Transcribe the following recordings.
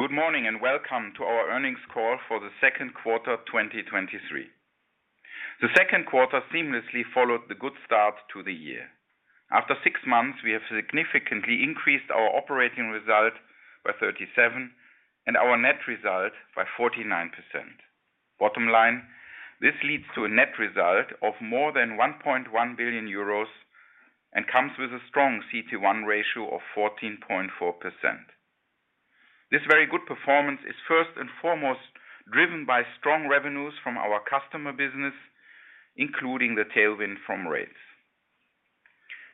Good morning, welcome to our earnings call for the second quarter, 2023. The second quarter seamlessly followed the good start to the year. After six months, we have significantly increased our operating result by 37%, and our net result by 49%. Bottom line, this leads to a net result of more than 1.1 billion euros, and comes with a strong CET1 ratio of 14.4%. This very good performance is first and foremost driven by strong revenues from our customer business, including the tailwind from rates.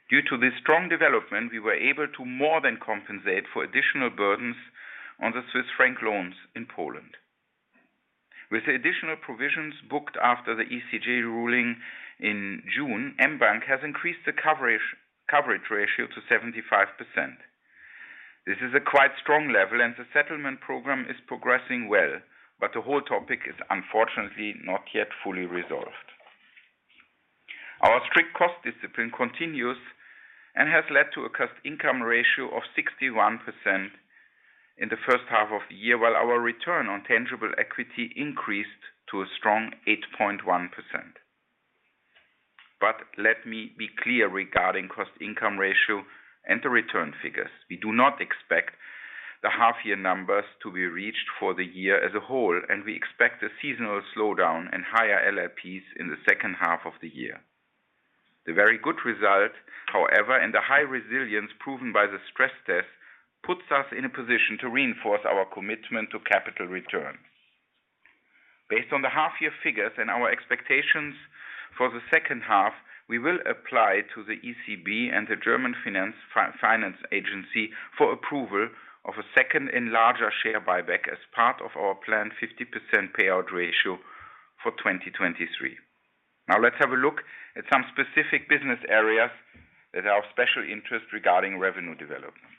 Due to this strong development, we were able to more than compensate for additional burdens on the Swiss franc loans in Poland. With the additional provisions booked after the ECJ ruling in June, mBank has increased the coverage ratio to 75%. This is a quite strong level, and the settlement program is progressing well, but the whole topic is unfortunately not yet fully resolved. Our strict cost discipline continues and has led to a cost-income ratio of 61% in the first half of the year, while our return on tangible equity increased to a strong 8.1%. Let me be clear regarding cost-income ratio and the return figures. We do not expect the half-year numbers to be reached for the year as a whole, and we expect a seasonal slowdown and higher LLPs in the second half of the year. The very good result, however, and the high resilience proven by the stress test, puts us in a position to reinforce our commitment to capital returns. Based on the half-year figures and our expectations for the second half, we will apply to the ECB and the German Finance Agency for approval of a second and larger share buyback as part of our planned 50% payout ratio for 2023. Let's have a look at some specific business areas that are of special interest regarding revenue development.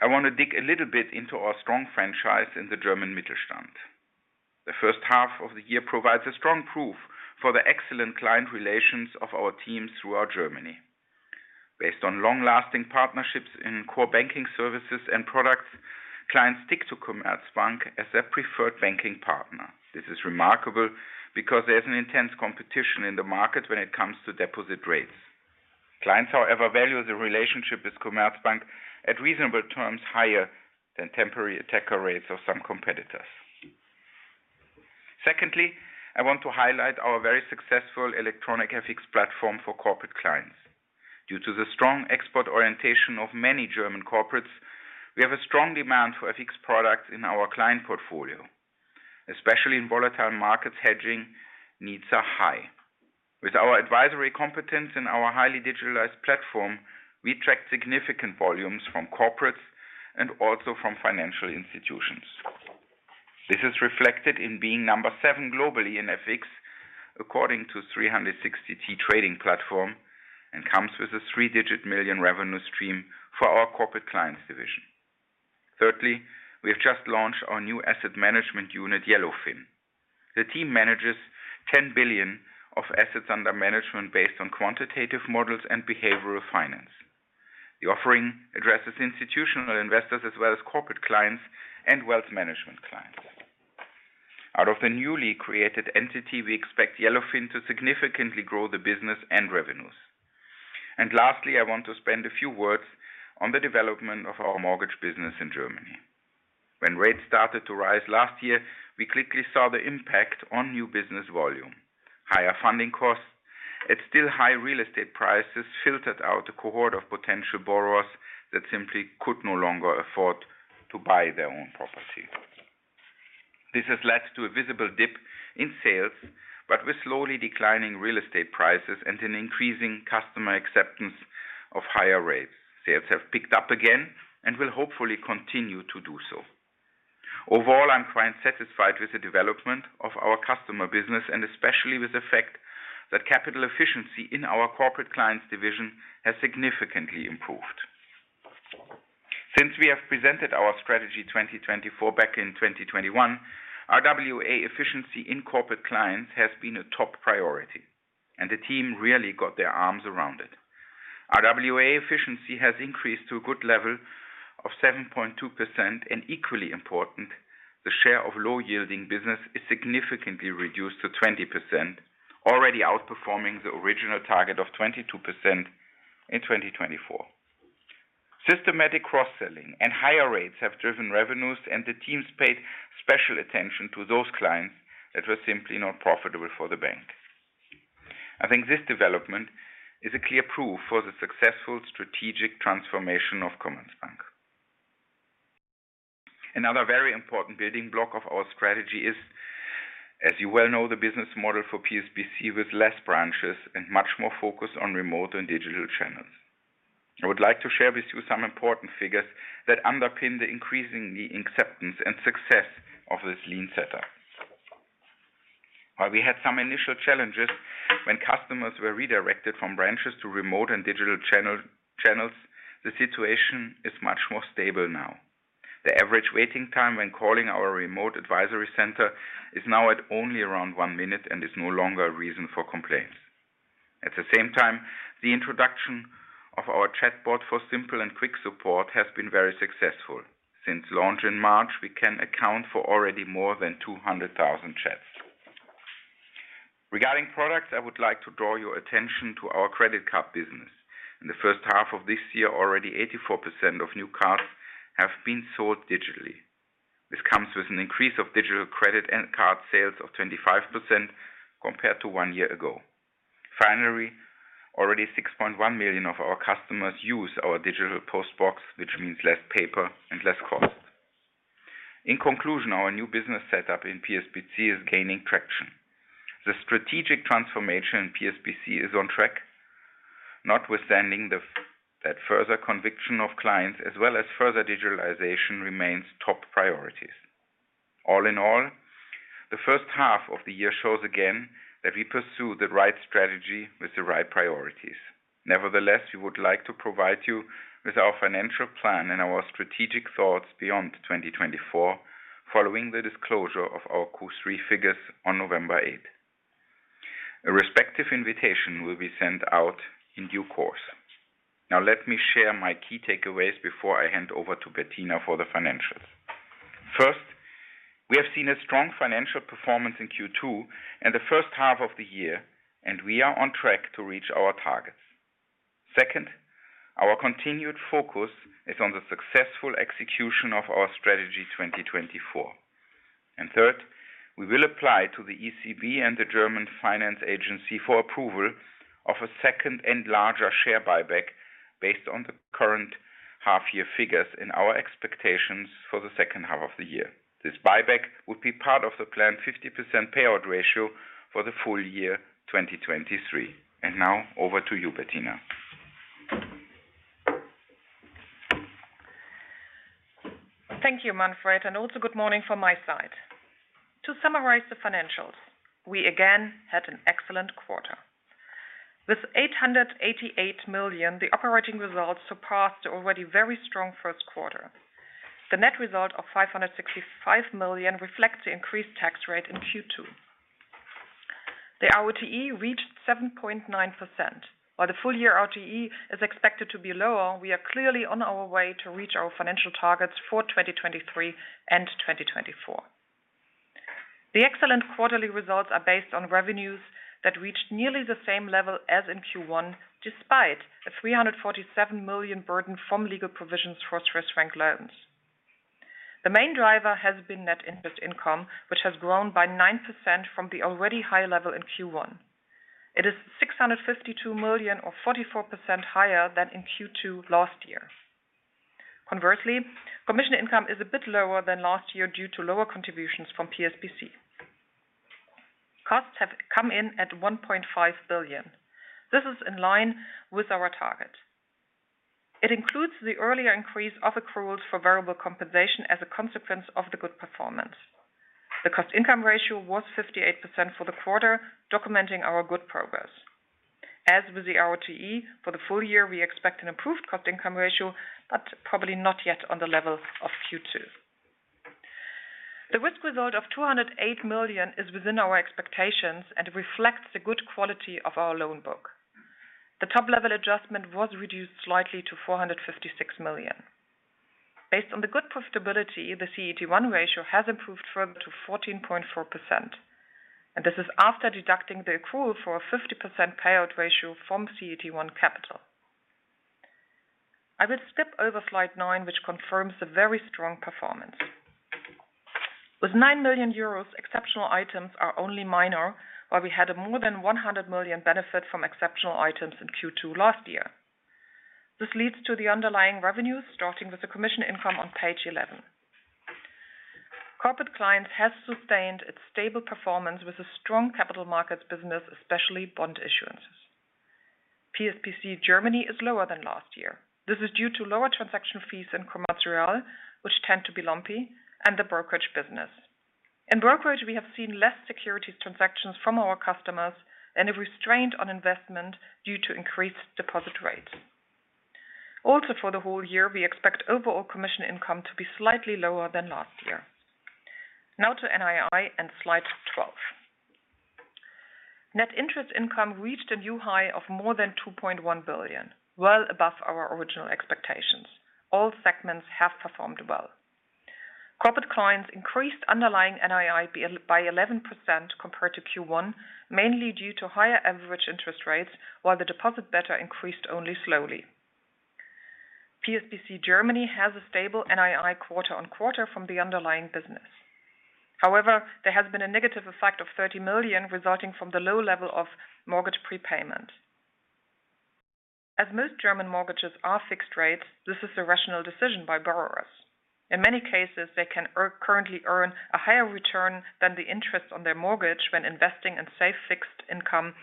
I want to dig a little bit into our strong franchise in the German Mittelstand. The first half of the year provides a strong proof for the excellent client relations of our teams throughout Germany. Based on long-lasting partnerships in core banking services and products, clients stick to Commerzbank as their preferred banking partner. This is remarkable because there is an intense competition in the market when it comes to deposit rates. Clients, however, value the relationship with Commerzbank at reasonable terms higher than temporary attacker rates of some competitors. Secondly, I want to highlight our very successful electronic FX platform for Corporate Clients. Due to the strong export orientation of many German corporates, we have a strong demand for FX products in our client portfolio. Especially in volatile markets, hedging needs are high. With our advisory competence and our highly digitalized platform, we attract significant volumes from corporates and also from financial institutions. This is reflected in being number seven globally in FX, according to 360T trading platform, and comes with a three-digit million revenue stream for our Corporate Clients division. Thirdly, we have just launched our new asset management unit, Yellowfin. The team manages 10 billion of assets under management based on quantitative models and behavioral finance. The offering addresses institutional investors as well as Corporate Clients and wealth management clients. Out of the newly created entity, we expect Yellowfin to significantly grow the business and revenues. Lastly, I want to spend a few words on the development of our mortgage business in Germany. When rates started to rise last year, we quickly saw the impact on new business volume. Higher funding costs at still high real estate prices, filtered out a cohort of potential borrowers that simply could no longer afford to buy their own property. This has led to a visible dip in sales, but with slowly declining real estate prices and an increasing customer acceptance of higher rates, sales have picked up again and will hopefully continue to do so. Overall, I'm quite satisfied with the development of our customer business, and especially with the fact that capital efficiency in our Corporate Clients division has significantly improved. Since we have presented our Strategy 2024 back in 2021, our RWA efficiency in Corporate Clients has been a top priority, and the team really got their arms around it. RWA efficiency has increased to a good level of 7.2%, and equally important, the share of low-yielding business is significantly reduced to 20%, already outperforming the original target of 22% in 2024. Systematic cross-selling and higher rates have driven revenues, and the teams paid special attention to those clients that were simply not profitable for the bank. I think this development is a clear proof for the successful strategic transformation of Commerzbank. Another very important building block of our strategy is, as you well know, the business model for PSBC, with less branches and much more focus on remote and digital channels. I would like to share with you some important figures that underpin the increasingly acceptance and success of this lean setup. While we had some initial challenges when customers were redirected from branches to remote and digital channels, the situation is much more stable now. The average waiting time when calling our remote advisory center is now at only around one minute and is no longer a reason for complaints. At the same time, the introduction of our chatbot for simple and quick support has been very successful. Since launch in March, we can account for already more than 200,000 chats. Regarding products, I would like to draw your attention to our credit card business. In the first half of this year, already 84% of new cards have been sold digitally. This comes with an increase of digital credit and card sales of 25% compared to one year ago. Finally, already 6.1 million of our customers use our digital postbox, which means less paper and less cost. In conclusion, our new business setup in PSBC is gaining traction. The strategic transformation in PSBC is on track, notwithstanding that further conviction of clients as well as further digitalization remains top priorities. All in all, the first half of the year shows again that we pursue the right strategy with the right priorities. Nevertheless, we would like to provide you with our financial plan and our strategic thoughts beyond 2024, following the disclosure of our Q3 figures on November 8th. A respective invitation will be sent out in due course. Now let me share my key takeaways before I hand over to Bettina for the financials. First, we have seen a strong financial performance in Q2 and the first half of the year, and we are on track to reach our targets. Second, our continued focus is on the successful execution of our Strategy 2024. Third, we will apply to the ECB and the German Finance Agency for approval of a second and larger share buyback based on the current half-year figures and our expectations for the second half of the year. This buyback would be part of the planned 50% payout ratio for the full year 2023. Now over to you, Bettina. Thank you, Manfred, and also good morning from my side. To summarize the financials, we again had an excellent quarter. With 888 million, the operating results surpassed the already very strong first quarter. The net result of 565 million reflects the increased tax rate in Q2. The ROTE reached 7.9%. While the full-year ROTE is expected to be lower, we are clearly on our way to reach our financial targets for 2023 and 2024. The excellent quarterly results are based on revenues that reached nearly the same level as in Q1, despite a 347 million burden from legal provisions for Swiss franc loans. The main driver has been net interest income, which has grown by 9% from the already high level in Q1. It is 652 million or 44% higher than in Q2 last year. Conversely, commission income is a bit lower than last year due to lower contributions from PSBC. Costs have come in at 1.5 billion. This is in line with our target. It includes the earlier increase of accruals for variable compensation as a consequence of the good performance. The cost-income ratio was 58% for the quarter, documenting our good progress. As with the ROTE, for the full year, we expect an improved cost-income ratio, but probably not yet on the level of Q2. The risk result of 208 million is within our expectations and reflects the good quality of our loan book. The top-level adjustment was reduced slightly to 456 million. Based on the good profitability, the CET1 ratio has improved further to 14.4%, this is after deducting the accrual for a 50% payout ratio from CET1 capital. I will skip over slide 9, which confirms the very strong performance. With 9 million euros, exceptional items are only minor, while we had a more than 100 million benefit from exceptional items in Q2 last year. This leads to the underlying revenues, starting with the commission income on page 11. Corporate Clients has sustained its stable performance with a strong capital markets business, especially bond issuances. PSBC Germany is lower than last year. This is due to lower transaction fees in Commerz Real, which tend to be lumpy and the brokerage business. In brokerage, we have seen less securities transactions from our customers and have restrained on investment due to increased deposit rates. For the whole year, we expect overall commission income to be slightly lower than last year. Now to NII and slide 12. Net interest income reached a new high of more than 2.1 billion, well above our original expectations. All segments have performed well. Corporate Clients increased underlying NII by 11% compared to Q1, mainly due to higher average interest rates, while the deposit beta increased only slowly. PSPC Germany has a stable NII quarter-on-quarter from the underlying business. There has been a negative effect of 30 million, resulting from the low level of mortgage prepayment. As most German mortgages are fixed rates, this is a rational decision by borrowers. In many cases, they can currently earn a higher return than the interest on their mortgage when investing in safe, fixed income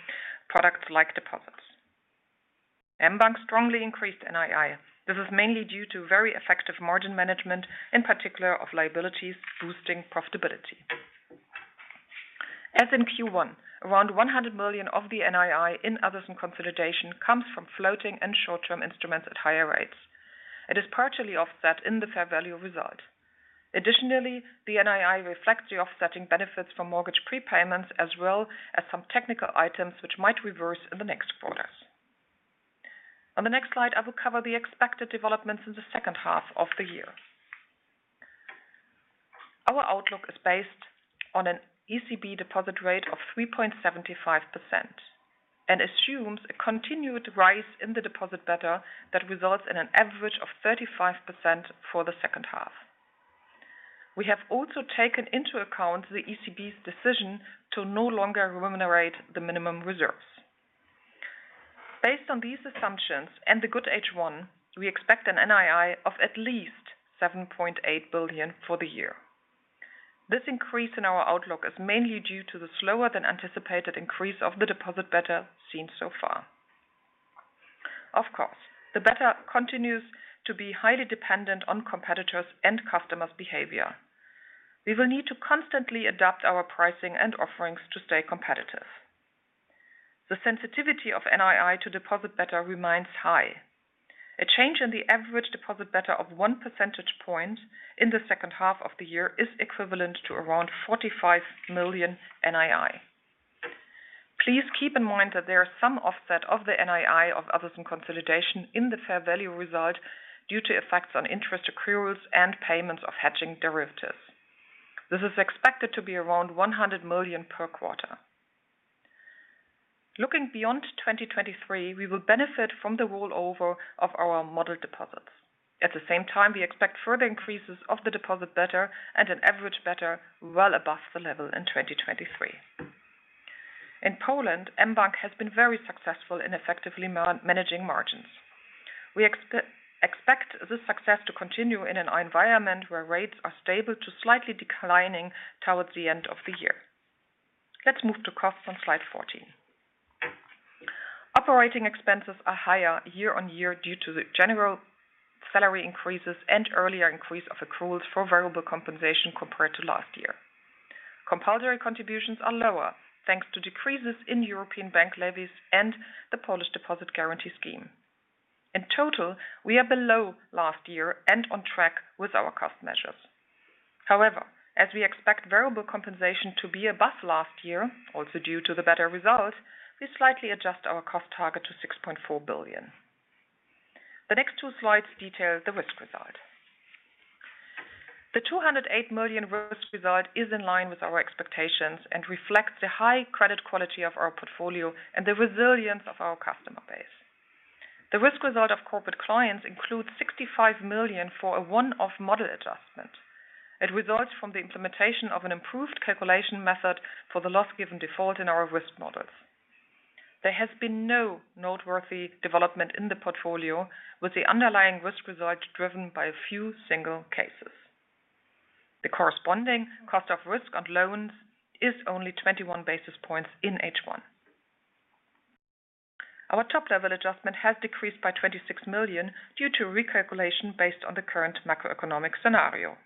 products like deposits. mBank strongly increased NII. This is mainly due to very effective margin management, in particular of liabilities boosting profitability. As in Q1, around 100 million of the NII in Others and Consolidation comes from floating and short-term instruments at higher rates. It is partially offset in the fair value result. Additionally, the NII reflects the offsetting benefits from mortgage prepayments, as well as some technical items which might reverse in the next quarters. On the next slide, I will cover the expected developments in the second half of the year. Our outlook is based on an ECB deposit rate of 3.75%, and assumes a continued rise in the deposit beta that results in an average of 35% for the second half. We have also taken into account the ECB's decision to no longer remunerate the minimum reserves. Based on these assumptions and the good H1, we expect an NII of at least 7.8 billion for the year. This increase in our outlook is mainly due to the slower than anticipated increase of the deposit beta seen so far. Of course, the beta continues to be highly dependent on competitors and customers' behavior. We will need to constantly adapt our pricing and offerings to stay competitive. The sensitivity of NII to deposit beta remains high. A change in the average deposit beta of 1 percentage point in the second half of the year is equivalent to around 45 million NII. Please keep in mind that there are some offset of the NII of Others and Consolidation, in the fair value result due to effects on interest accruals and payments of hedging derivatives. This is expected to be around 100 million per quarter. Looking beyond 2023, we will benefit from the rollover of our model deposits. At the same time, we expect further increases of the deposit beta and an average beta well above the level in 2023. In Poland, mBank has been very successful in effectively managing margins. We expect this success to continue in an environment where rates are stable to slightly declining towards the end of the year. Let's move to costs on slide 14. Operating expenses are higher year-on-year due to the general salary increases and earlier increase of accruals for variable compensation compared to last year. Compulsory contributions are lower, thanks to decreases in European bank levies and the Polish Deposit Guarantee Scheme. In total, we are below last year and on track with our cost measures. As we expect variable compensation to be above last year, also due to the better results, we slightly adjust our cost target to 6.4 billion. The next two slides detail the risk result. The 208 million risk result is in line with our expectations and reflects the high credit quality of our portfolio and the resilience of our customer base. The risk result of Corporate Clients includes 65 million for a one-off model adjustment. It results from the implementation of an improved calculation method for the loss given default in our risk models. There has been no noteworthy development in the portfolio, with the underlying risk result driven by a few single cases. The corresponding cost of risk on loans is only 21 basis points in H1. Our top-level adjustment has decreased by 26 million due to recalculation based on the current macroeconomic scenario.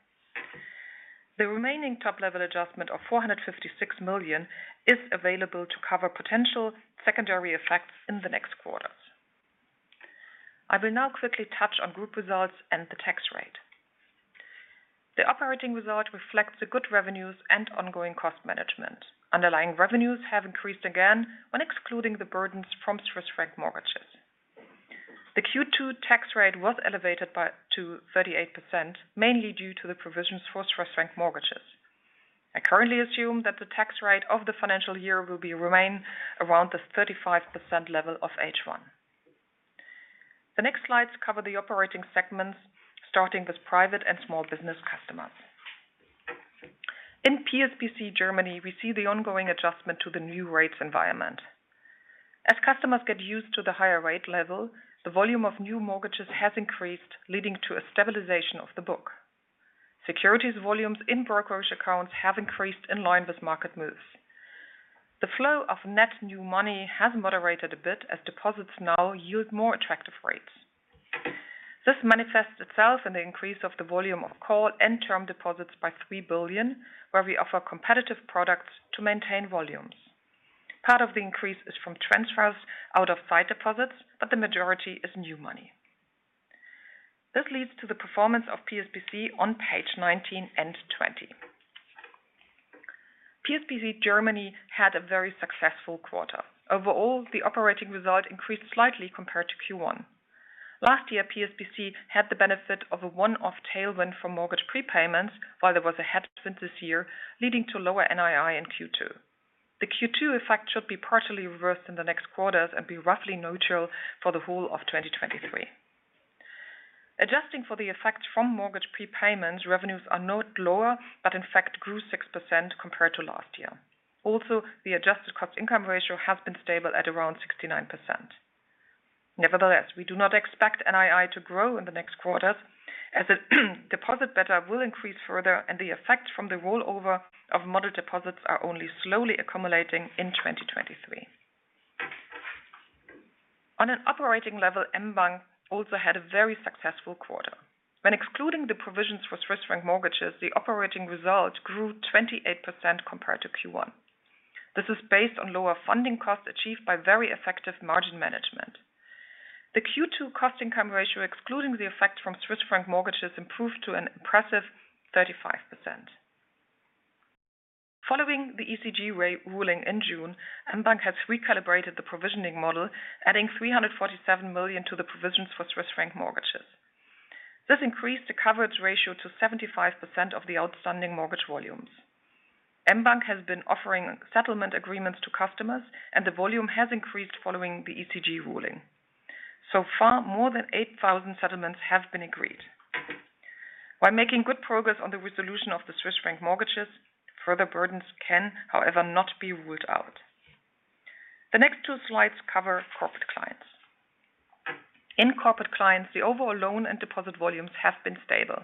The remaining top-level adjustment of 456 million is available to cover potential secondary effects in the next quarters. I will now quickly touch on group results and the tax rate. The operating result reflects the good revenues and ongoing cost management. Underlying revenues have increased again when excluding the burdens from Swiss franc mortgages. The Q2 tax rate was elevated by, to 38%, mainly due to the provisions for Swiss franc mortgages. I currently assume that the tax rate of the financial year will be remain around the 35% level of H1. The next slides cover the operating segments, starting with private and small business customers. In PSBC Germany, we see the ongoing adjustment to the new rates environment. As customers get used to the higher rate level, the volume of new mortgages has increased, leading to a stabilization of the book. Securities volumes in brokerage accounts have increased in line with market moves. The flow of net new money has moderated a bit as deposits now yield more attractive rates. This manifests itself in the increase of the volume of call and term deposits by 3 billion, where we offer competitive products to maintain volumes. Part of the increase is from transfers out of sight deposits, but the majority is new money. This leads to the performance of PSBC on page 19 and 20. PSBC Germany had a very successful quarter. Overall, the operating result increased slightly compared to Q1. Last year, PSBC had the benefit of a one-off tailwind from mortgage prepayments, while there was a headwind this year, leading to lower NII in Q2. The Q2 effect should be partially reversed in the next quarters and be roughly neutral for the whole of 2023. Adjusting for the effects from mortgage prepayments, revenues are not lower, but in fact grew 6% compared to last year. Also, the adjusted cost-income ratio has been stable at around 69%. Nevertheless, we do not expect NII to grow in the next quarters, as the deposit beta will increase further and the effect from the rollover of model deposits are only slowly accumulating in 2023. On an operating level, mBank also had a very successful quarter. When excluding the provisions for Swiss franc mortgages, the operating result grew 28% compared to Q1. This is based on lower funding costs achieved by very effective margin management. The Q2 cost-income ratio, excluding the effect from Swiss franc mortgages, improved to an impressive 35%. Following the ECJ ruling in June, mBank has recalibrated the provisioning model, adding 347 million to the provisions for Swiss franc mortgages. This increased the coverage ratio to 75% of the outstanding mortgage volumes. mBank has been offering settlement agreements to customers, and the volume has increased following the ECJ ruling. So far, more than 8,000 settlements have been agreed. By making good progress on the resolution of the Swiss franc mortgages, further burdens can, however, not be ruled out. The next two slides cover Corporate Clients. In Corporate Clients, the overall loan and deposit volumes have been stable.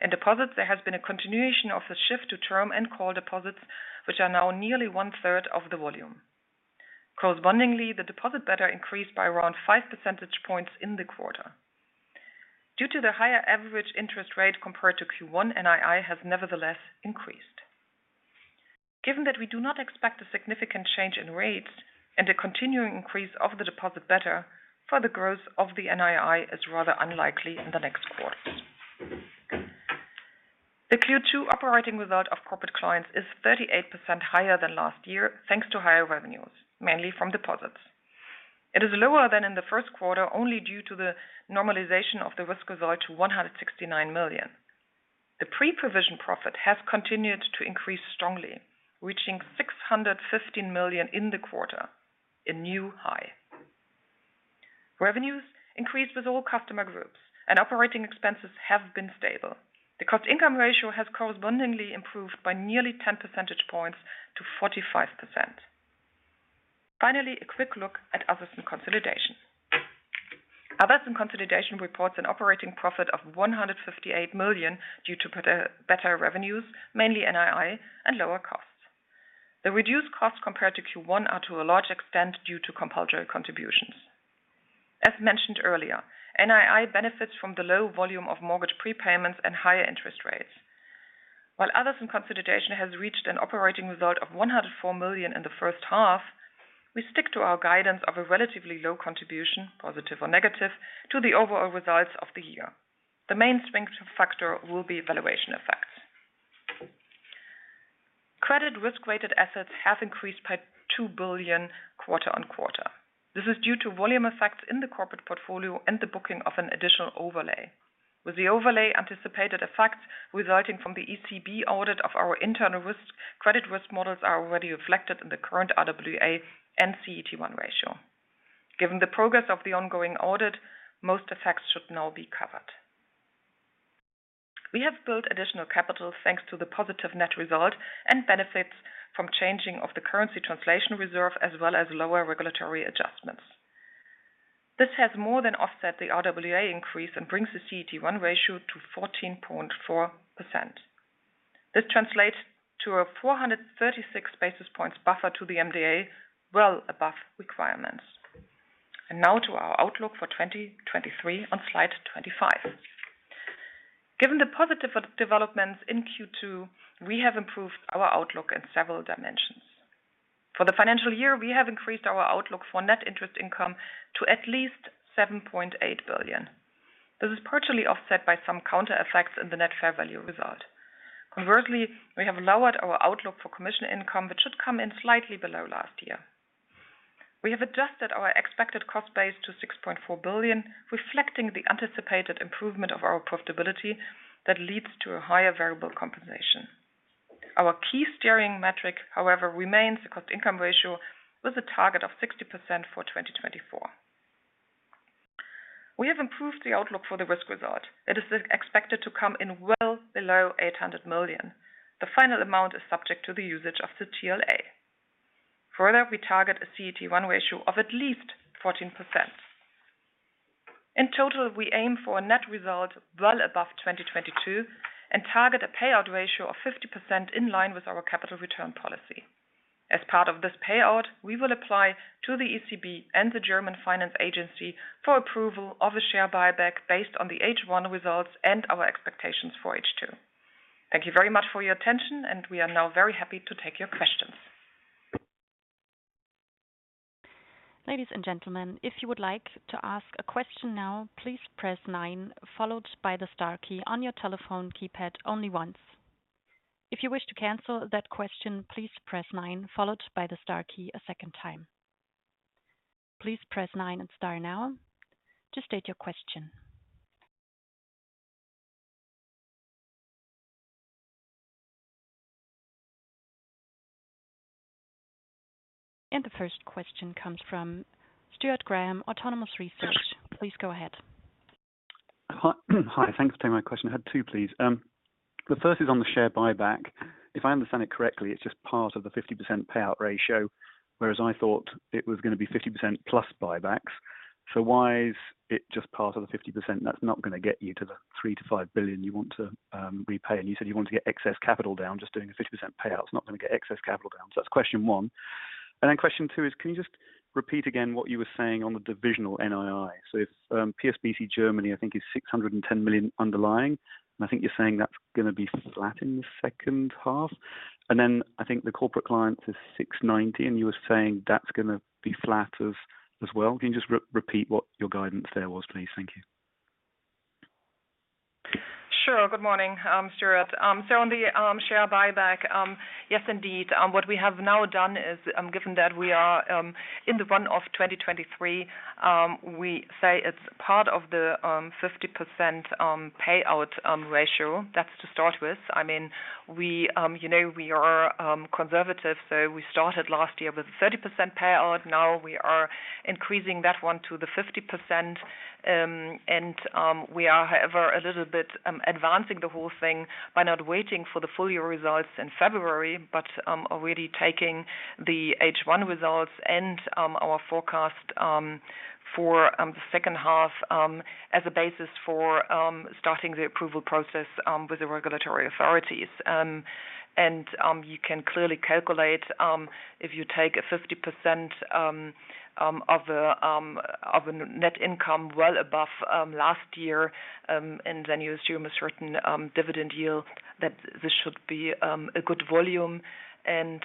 In deposits, there has been a continuation of the shift to term and call deposits, which are now nearly 1/3 of the volume. Correspondingly, the deposit beta increased by around five percentage points in the quarter. Due to the higher average interest rate compared to Q1, NII has nevertheless increased. Given that we do not expect a significant change in rates and a continuing increase of the deposit beta, further growth of the NII is rather unlikely in the next quarter. The Q2 operating result of Corporate Clients is 38% higher than last year, thanks to higher revenues, mainly from deposits. It is lower than in the first quarter, only due to the normalization of the risk result to 169 million. The pre-provision profit has continued to increase strongly, reaching 615 million in the quarter, a new high. Revenues increased with all customer groups and operating expenses have been stable. The cost-income ratio has correspondingly improved by nearly 10 percentage points to 45%. Finally, a quick look at Others and Consolidation. Others and Consolidation reports an operating profit of 158 million due to better revenues, mainly NII and lower costs. The reduced costs compared to Q1 are to a large extent due to compulsory contributions. As mentioned earlier, NII benefits from the low volume of mortgage prepayments and higher interest rates. While Others and Consolidation has reached an operating result of 104 million in the first half, we stick to our guidance of a relatively low contribution, positive or negative, to the overall results of the year. The main strength factor will be valuation effects. Credit risk-weighted assets have increased by 2 billion quarter-on-quarter. This is due to volume effects in the corporate portfolio and the booking of an additional overlay. With the overlay, anticipated effects resulting from the ECB audit of our internal credit risk models are already reflected in the current RWA and CET1 ratio. Given the progress of the ongoing audit, most effects should now be covered. We have built additional capital thanks to the positive net result and benefits from changing of the currency translation reserve, as well as lower regulatory adjustments. This has more than offset the RWA increase and brings the CET1 ratio to 14.4%. This translates to a 436 basis points buffer to the MDA, well above requirements. Now to our outlook for 2023 on slide 25. Given the positive developments in Q2, we have improved our outlook in several dimensions. For the financial year, we have increased our outlook for net interest income to at least 7.8 billion. This is partially offset by some counter effects in the net fair value result. Conversely, we have lowered our outlook for commission income, which should come in slightly below last year. We have adjusted our expected cost base to 6.4 billion, reflecting the anticipated improvement of our profitability that leads to a higher variable compensation. Our key steering metric, however, remains the cost-income ratio with a target of 60% for 2024. We have improved the outlook for the risk result. It is expected to come in well below 800 million. The final amount is subject to the usage of the TLA. Further, we target a CET1 ratio of at least 14%. In total, we aim for a net result well above 2022 and target a payout ratio of 50% in line with our capital return policy. As part of this payout, we will apply to the ECB and the German Finance Agency for approval of a share buyback based on the H1 results and our expectations for H2. Thank you very much for your attention. We are now very happy to take your questions. Ladies and gentlemen, if you would like to ask a question now, please press nine, followed by the star key on your telephone keypad only once. If you wish to cancel that question, please press nine, followed by the star key a second time. Please press nine and star now to state your question. The first question comes from Stuart Graham, Autonomous Research. Please go ahead. Hi, thanks for taking my question. I had two, please. The first is on the share buyback. If I understand it correctly, it's just part of the 50% payout ratio, whereas I thought it was going to be 50%+ buybacks. Why is it just part of the 50%? That's not going to get you to the 3 billion-5 billion you want to repay. You said you want to get excess capital down. Just doing a 50% payout is not going to get excess capital down. That's question one. Question two is, can you just repeat again what you were saying on the divisional NII? If, PSBC Germany, I think is 610 million underlying, I think you're saying that's going to be flat in the second half. I think the Corporate Clients is 690 million, and you were saying that's gonna be flat as, as well. Can you just re-repeat what your guidance there was, please? Thank you. Sure. Good morning, Stuart. On the share buyback, yes, indeed. What we have now done is, given that we are in the run of 2023, we say it's part of the 50% payout ratio. That's to start with. I mean, we, you know, we are conservative, so we started last year with 30% payout. Now we are increasing that one to the 50%. And we are, however, a little bit advancing the whole thing by not waiting for the full year results in February, but already taking the H1 results and our forecast for the second half as a basis for starting the approval process with the regulatory authorities. You can clearly calculate, if you take a 50% of the net income well above last year, and then you assume a certain dividend yield, that this should be a good volume, and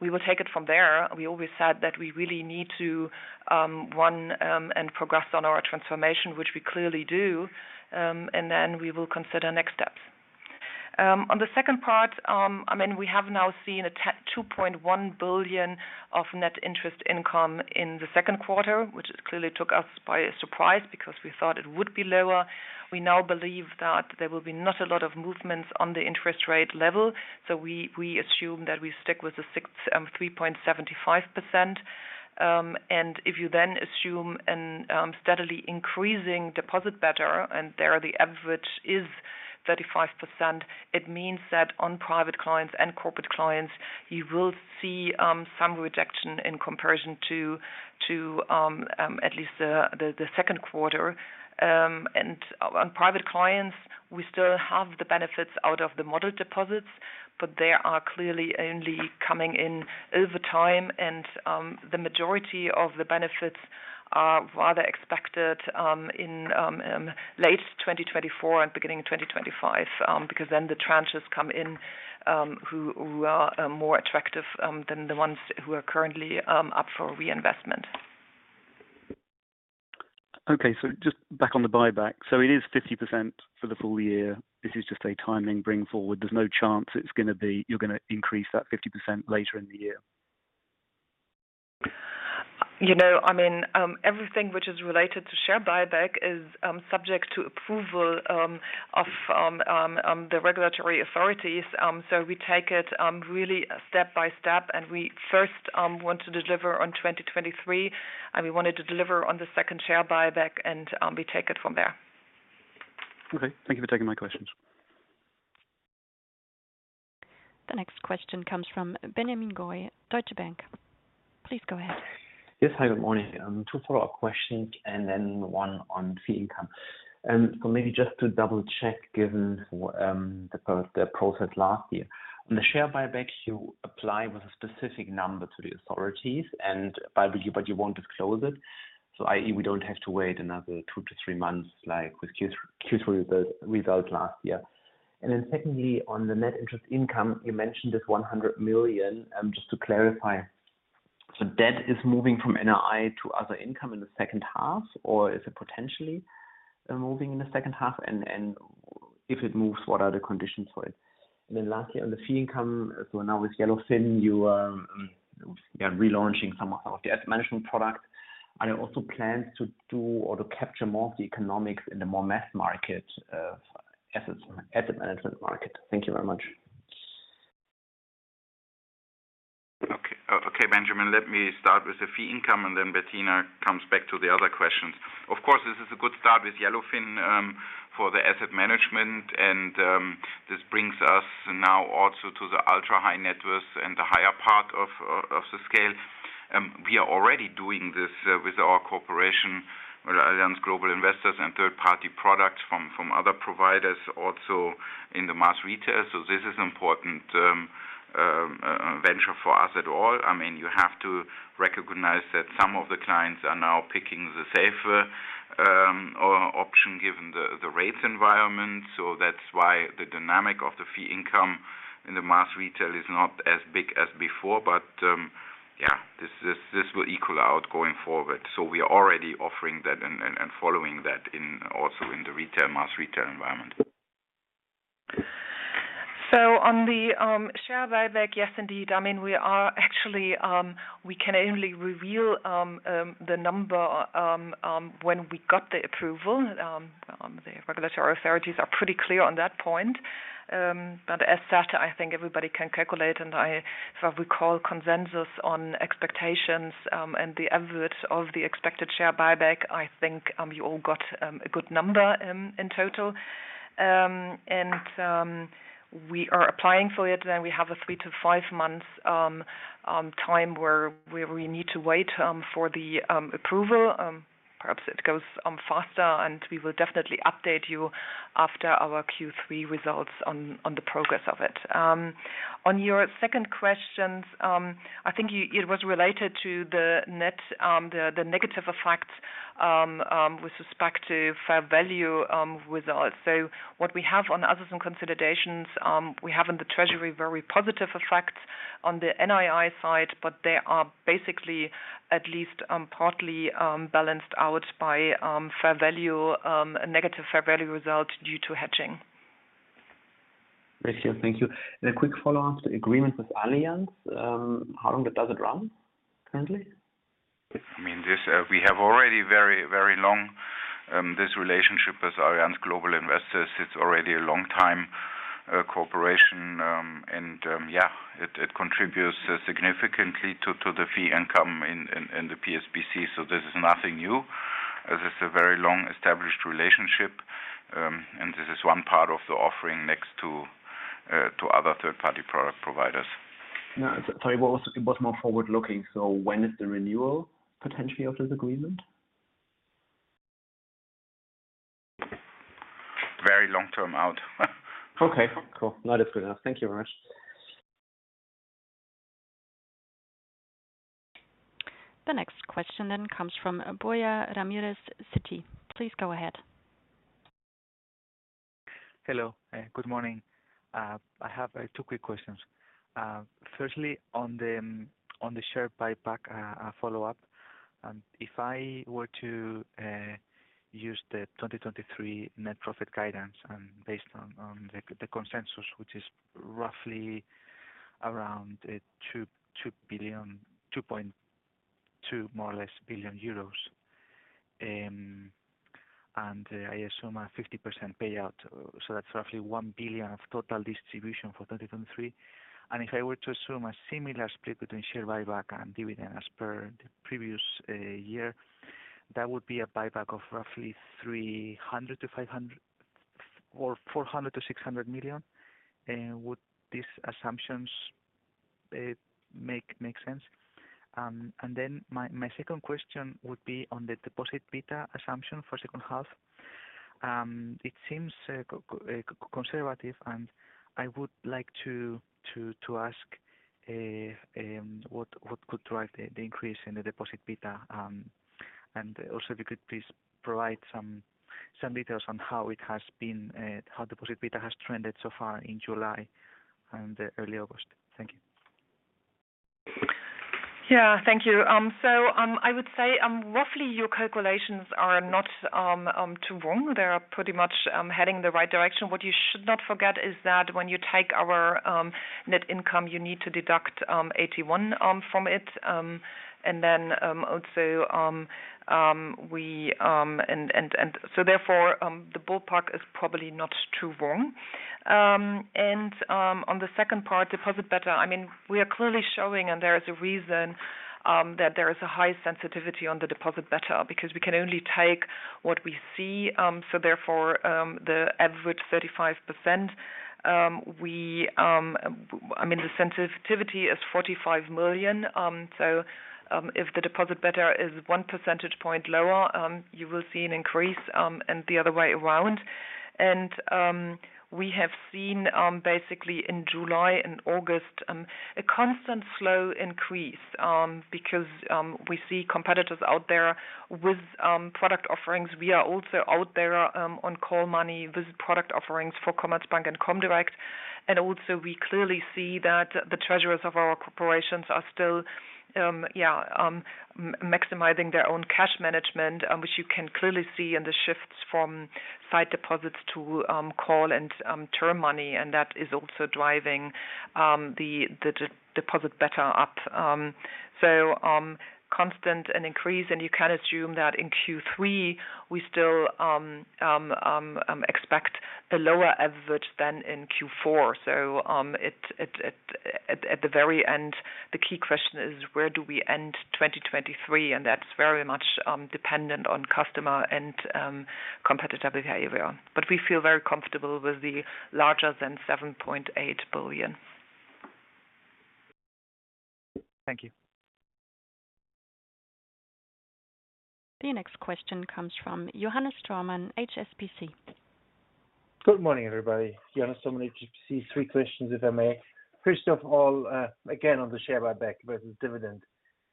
we will take it from there. We always said that we really need to run and progress on our transformation, which we clearly do, and then we will consider next steps. On the second part, I mean, we have now seen 2.1 billion of net interest income in the second quarter, which clearly took us by surprise because we thought it would be lower. We now believe that there will be not a lot of movements on the interest rate level, so we, we assume that we stick with the 3.75%. If you then assume an steadily increasing deposit beta, and there the average is 35%, it means that on private clients and Corporate Clients, you will see some reduction in comparison to, at least the 2Q. On private clients, we still have the benefits out of the model deposits, but they are clearly only coming in over time, and the majority of the benefits are rather expected in late 2024 and beginning in 2025, because then the tranches come in, who are more attractive than the ones who are currently up for reinvestment. Okay. Just back on the buyback. So it is 50% for the full year. This is just a timing bring forward. There's no chance it's gonna be you're gonna increase that 50% later in the year? You know, I mean, everything which is related to share buyback is subject to approval of the regulatory authorities. We take it really step by step, and we first want to deliver on 2023, and we wanted to deliver on the second share buyback and we take it from there. Okay, thank you for taking my questions. The next question comes from Benjamin Goy, Deutsche Bank. Please go ahead. Yes. Hi, good morning. Two follow-up questions and then one on fee income. Maybe just to double check, given the process last year. On the share buyback, you apply with a specific number to the authorities but you won't disclose it, i.e., we don't have to wait another two to three months, like with Q3 results last year. Secondly, on the Net interest income, you mentioned this 100 million, just to clarify, that is moving from NII to other income in the second half, or is it potentially moving in the second half? If it moves, what are the conditions for it? Lastly, on the fee income, now with Yellowfin, you are relaunching some of the asset management products. Are there also plans to do or to capture more of the economics in the more mass market, assets, asset management market? Thank you very much. Okay. Benjamin, let me start with the fee income, and then Bettina comes back to the other questions. Of course, this is a good start with Yellowfin, for the asset management, and this brings us now also to the ultra-high net worth and the higher part of the scale. We are already doing this with our cooperation with Allianz Global Investors and third-party products from, from other providers, also in the mass retail. This is important venture for us at all. I mean, you have to recognize that some of the clients are now picking the safer option, given the rate environment. That's why the dynamic of the fee income in the mass retail is not as big as before. Yeah, this will equal out going forward. We are already offering that and following that in, also in the retail, mass retail environment. On the share buyback, yes, indeed. I mean, we are actually, we can only reveal the number when we got the approval. The regulatory authorities are pretty clear on that point. As such, I think everybody can calculate, and I, if I recall, consensus on expectations, and the average of the expected share buyback, I think, you all got a good number in total. We are applying for it, and we have a three to five months time where we need to wait for the approval. Perhaps it goes faster, and we will definitely update you after our Q3 results on the progress of it. On your second questions, I think you, it was related to the net, the negative with respect to fair value, with us. What we have on Others and Consolidation, we have in the treasury very positive effects on the NII side, but they are basically at least, partly, balanced out by, fair value, a negative fair value result due to hedging. Thank you, thank you. A quick follow-up, the agreement with Allianz, how long does it run currently? I mean, this, we have already very, very long, this relationship with Allianz Global Investors. It's already a long time, cooperation. Yeah, it, it contributes significantly to the fee income in the PSBC. This is nothing new. This is a very long-established relationship, and this is one part of the offering next to other third-party product providers. Sorry, what was, it was more forward-looking. When is the renewal potentially of this agreement? Very long-term out. Okay, cool. That's good enough. Thank you very much. The next question then comes from Borja Ramirez, Citi. Please go ahead. Hello. Good morning. I have two quick questions. Firstly, on the, on the share buyback, a follow-up. If I were to use the 2023 net profit guidance and based on, on the, the consensus, which is roughly around 2.2 billion euros, I assume a 50% payout, so that's roughly 1 billion of total distribution for 2023. If I were to assume a similar split between share buyback and dividend as per the previous year, that would be a buyback of roughly 300 million-500 million or 400 million-600 million. Would these assumptions make sense? Then my, my second question would be on the deposit beta assumption for second half. It seems conservative, and I would like to ask what could drive the increase in the deposit beta? Also, if you could please provide some details on how it has been, how deposit beta has trended so far in July and early August. Thank you. Yeah, thank you. I would say, roughly your calculations are not too wrong. They are pretty much heading in the right direction. What you should not forget is that when you take our net income, you need to deduct 81 from it. Then also, we, and, and, and so therefore, the ballpark is probably not too wrong. On the second part, deposit beta, I mean, we are clearly showing, and there is a reason, that there is a high sensitivity on the deposit beta, because we can only take what we see, so therefore, the average 35%. We, I mean, the sensitivity is 45 million. If the deposit beta is 1 percentage point lower, you will see an increase, and the other way around. And we have seen basically in July and August, a constant slow increase, because we see competitors out there with product offerings. We are also out there on call money with product offerings for Commerzbank and comdirect. And also we clearly see that the treasurers of our corporations are still maximizing their own cash management, which you can clearly see in the shifts from sight deposits to call and term money, and that is also driving the deposit beta up. So constant and increase, and you can assume that in Q3, we still expect the lower average than in Q4. The very end, the key question is, where do we end 2023? That's very much dependent on customer and competitive behavior. We feel very comfortable with the larger than 7.8 billion. Thank you. The next question comes from Johannes Thormann, HSBC. Good morning, everybody. Johannes Thormann, HSBC. three questions, if I may. First of all, again, on the share buyback versus dividend.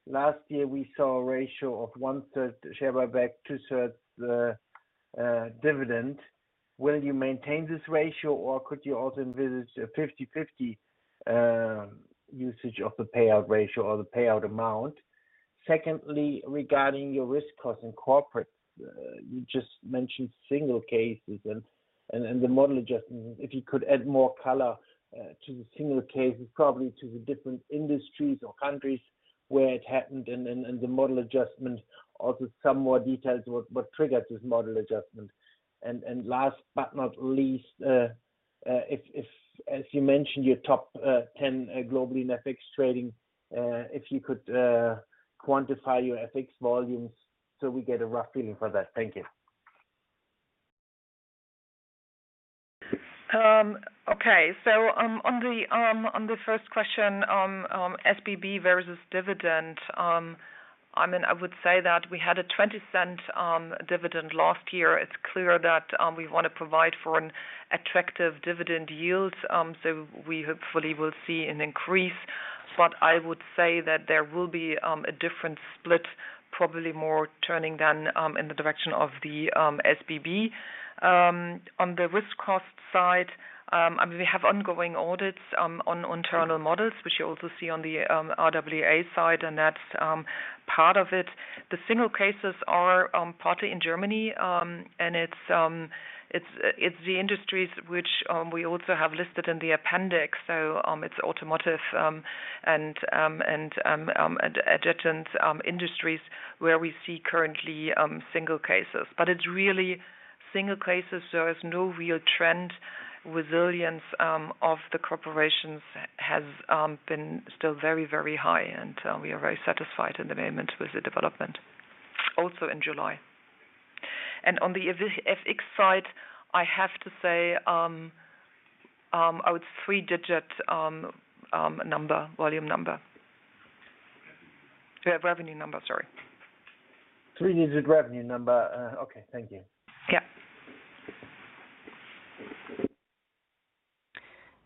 Last year, we saw a ratio of 1/3 share buyback, 2/3 dividend. Will you maintain this ratio, or could you also envisage a 50/50 usage of the payout ratio or the payout amount? Secondly, regarding your risk cost in corporate, you just mentioned single cases and the model adjustment. If you could add more color to the single cases, probably to the different industries or countries where it happened, and the model adjustment. Also, some more details about what triggered this model adjustment. Last but not least, if, as you mentioned, you're top, 10, globally in FX trading, if you could, quantify your FX volumes, so we get a rough feeling for that. Thank you. On the first question, SBB versus dividend, I mean, I would say that we had a 0.20 dividend last year. It's clear that we want to provide for an attractive dividend yield, we hopefully will see an increase. I would say that there will be a different split, probably more turning than in the direction of the SBB. On the risk cost side, we have ongoing audits on internal models, which you also see on the RWA side, and that's part of it. The single cases are partly in Germany, and it's, it's the industries which we also have listed in the appendix. It's automotive, and, and, and adjacent industries where we see currently single cases. It's really single cases, so there's no real trend. Resilience of the corporations has been still very, very high, and we are very satisfied in the moment with the development, also in July. On the avi- FX side, I have to say, oh, it's three-digit number, volume number. Revenue number, sorry. Three-digit revenue number. Okay, thank you. Yeah.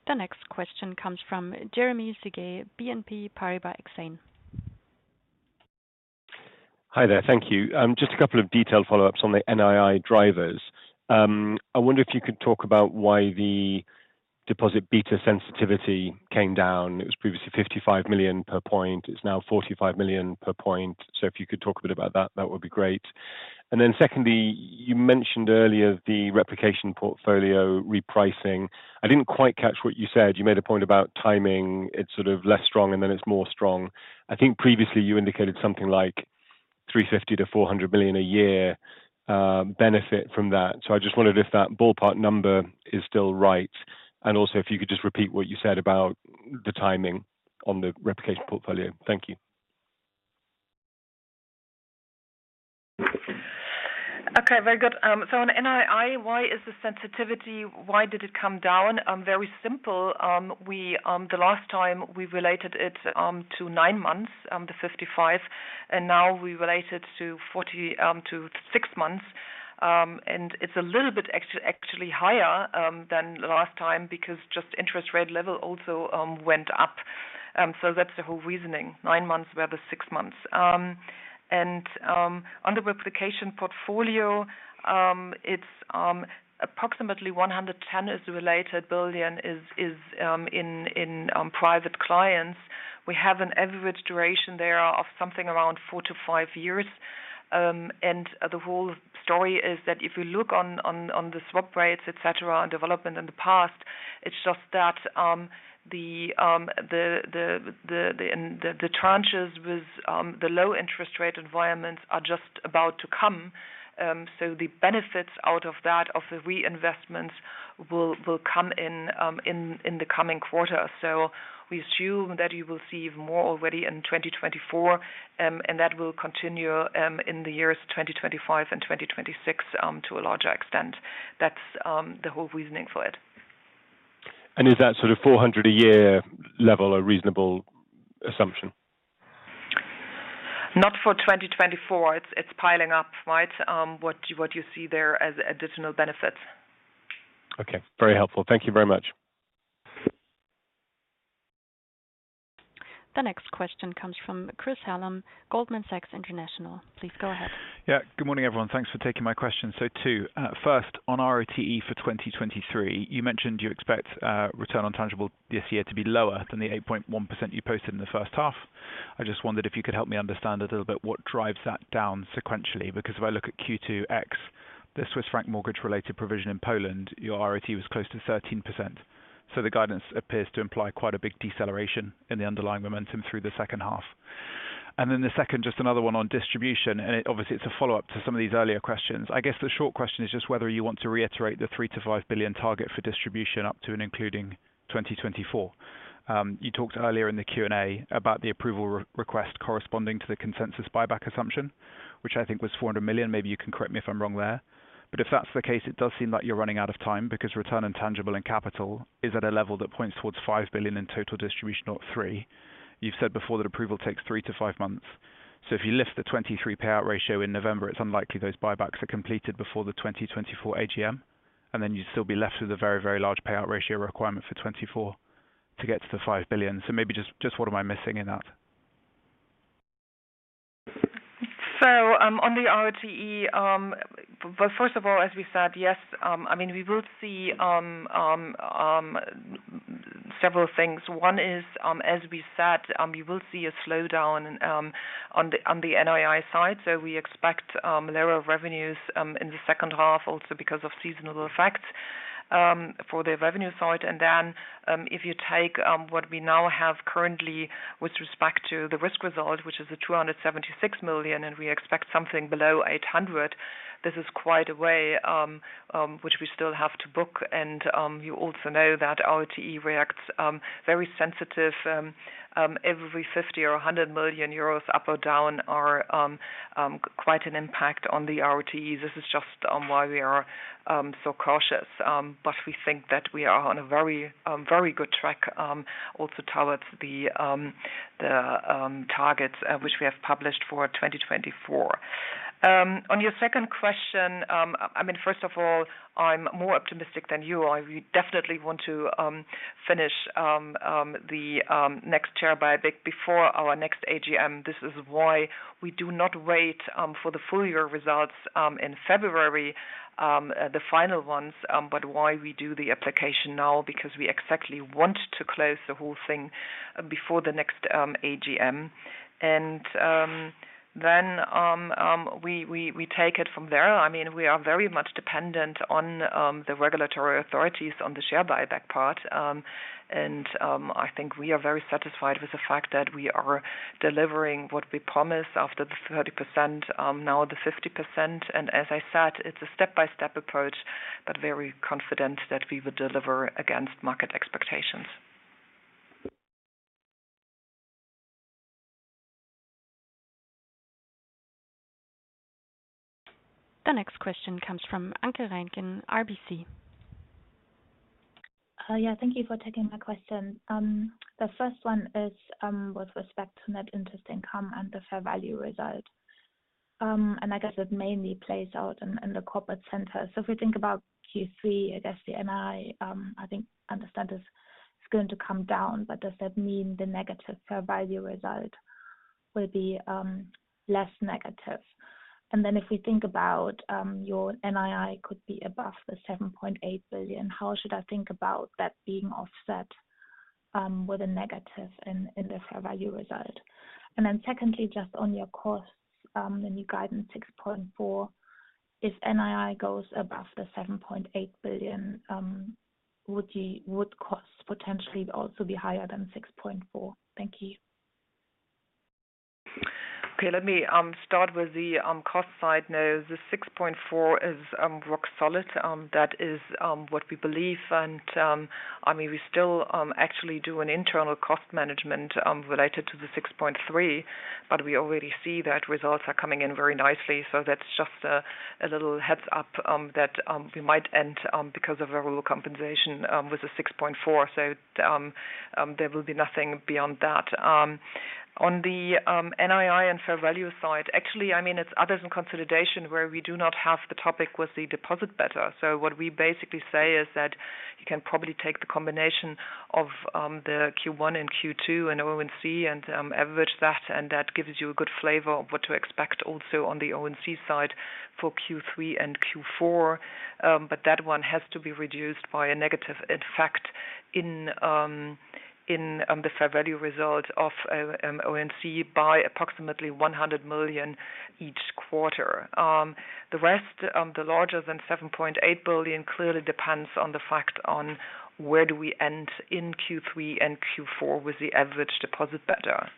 The next question comes from Jeremy Sigee, BNP Paribas Exane. Hi there, thank you. Just a couple of detailed follow-ups on the NII drivers. I wonder if you could talk about why the deposit beta sensitivity came down. It was previously 55 million per point. It's now 45 million per point. If you could talk a bit about that, that would be great. Then secondly, you mentioned earlier the replication portfolio repricing. I didn't quite catch what you said. You made a point about timing. It's sort of less strong, and then it's more strong. I think previously you indicated something like 350 million-400 million a year benefit from that. I just wondered if that ballpark number is still right, and also if you could just repeat what you said about the timing on the replication portfolio. Thank you. Okay, very good. On NII, why is the sensitivity, why did it come down? Very simple. We, the last time we related it, to nine months, the 55, now we relate it to 40, to six months. It's a little bit actually higher than last time because just interest rate level also went up. That's the whole reasoning, nine months rather than six months. On the replication portfolio, it's approximately 110 billion is related, in private clients. We have an average duration there of something around four to five years. The whole story is that if you look on the swap rates, et cetera, and development in the past, it's just that the tranches with the low interest rate environments are just about to come. The benefits out of that, of the reinvestments will, will come in the coming quarter. We assume that you will see more already in 2024, and that will continue in the years 2025 and 2026 to a larger extent. That's the whole reasoning for it. Is that sort of 400 a year level a reasonable assumption? Not for 2024. It's, it's piling up, right? What you, what you see there as additional benefits. Okay, very helpful. Thank you very much. The next question comes from Chris Hallam, Goldman Sachs International. Please go ahead. Yeah. Good morning, everyone. Thanks for taking my question. Two, first, on ROTE for 2023, you mentioned you expect return on tangible this year to be lower than the 8.1% you posted in the first half. I just wondered if you could help me understand a little bit what drives that down sequentially, because if I look at Q2 X, the Swiss franc mortgage-related provision in Poland, your ROTE was close to 13%. The guidance appears to imply quite a big deceleration in the underlying momentum through the second half. Then the second, just another one on distribution, and obviously, it's a follow-up to some of these earlier questions. I guess the short question is just whether you want to reiterate the 3 billion-5 billion target for distribution up to and including 2024. You talked earlier in the Q&A about the approval request corresponding to the consensus buyback assumption, which I think was 400 million. Maybe you can correct me if I'm wrong there. If that's the case, it does seem like you're running out of time because return on tangible and capital is at a level that points towards 5 billion in total distribution, not 3 billion. You've said before that approval takes three to five months. If you lift the 2023 payout ratio in November, it's unlikely those buybacks are completed before the 2024 AGM, and then you'd still be left with a very, very large payout ratio requirement for 2024 to get to the 5 billion. Maybe just what am I missing in that? On the ROTE, well, first of all, as we said, yes, I mean, we will see several things. One is, as we said, we will see a slowdown on the NII side. We expect lower revenues in the second half, also because of seasonal effects for the revenue side. Then, if you take what we now have currently with respect to the risk result, which is the 276 million, and we expect something below 800, this is quite a way which we still have to book. You also know that ROTE reacts very sensitive. Every 50 million or 100 million euros, up or down, are quite an impact on the ROTE. This is just why we are so cautious. We think that we are on a very good track also towards the targets which we have published for 2024. On your second question, I mean, first of all, I'm more optimistic than you are. We definitely want to finish the next share buyback before our next AGM. This is why we do not wait for the full year results in February, the final ones, but why we do the application now, because we exactly want to close the whole thing before the next AGM. Then we, we, we take it from there. I mean, we are very much dependent on the regulatory authorities on the share buyback part. I think we are very satisfied with the fact that we are delivering what we promised after the 30%, now the 50%. As I said, it's a step-by-step approach, but very confident that we will deliver against market expectations. The next question comes from Anke Reingen, RBC. Yeah, thank you for taking my question. The first one is with respect to net interest income and the fair value result. I guess it mainly plays out in, in the corporate center. If we think about Q3, I guess the NII, I think, understand this is going to come down, but does that mean the negative fair value result will be less negative? If we think about your NII could be above 7.8 billion, how should I think about that being offset with a negative in, in the fair value result? Secondly, just on your costs, the new guidance, 6.4 billion. If NII goes above 7.8 billion, would you, would costs potentially also be higher than 6.4 billion? Thank you. Okay, let me start with the cost side. No, the 6.4 billion is rock solid. That is what we believe. I mean, we still actually do an internal cost management related to the 6.3 billion, but we already see that results are coming in very nicely. That's just a little heads up that we might end because of our low compensation with a 6.4 billion. There will be nothing beyond that. On the NII and fair value side, actually, I mean, it's Others and Consolidation where we do not have the topic with the deposit beta. What we basically say is that you can probably take the combination of the Q1 and Q2 and ONC and average that, and that gives you a good flavor of what to expect also on the ONC side for Q3 and Q4. That one has to be reduced by a negative effect in the fair value result of ONC by approximately 100 million each quarter. The rest, the larger than 7.8 billion, clearly depends on the fact on where do we end in Q3 and Q4 with the average deposit beta.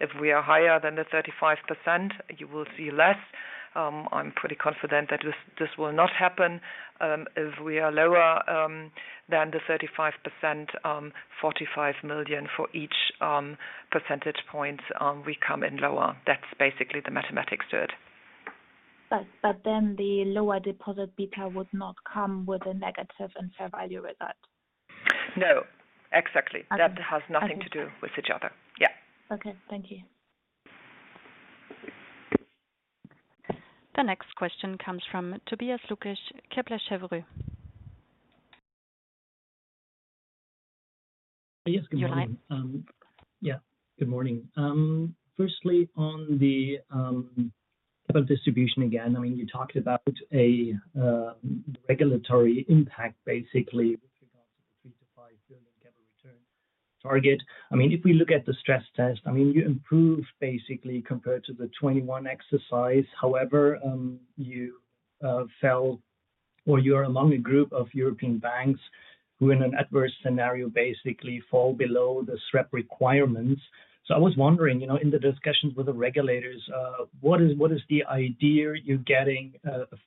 If we are higher than the 35%, you will see less. I'm pretty confident that this, this will not happen. If we are lower than the 35%, 45 million for each percentage point, we come in lower. That's basically the mathematics to it. But then the lower deposit beta would not come with a negative and fair value result? No, exactly. Okay. That has nothing to do with each other. Yeah. Okay. Thank you. The next question comes from Tobias Lukasz, Kepler Cheuvreux. Yes, good morning. You're on. Yeah, good morning. Firstly, on the capital distribution, again, I mean, you talked about a regulatory impact, basically, with regards to the EUR 3 billion-EUR 5 billion capital return target. I mean, if we look at the stress test, I mean, you improved basically compared to the 2021 exercise. However, you fell, or you are among a group of European banks who, in an adverse scenario, basically fall below the SREP requirements. I was wondering, you know, in the discussions with the regulators, what is, what is the idea you're getting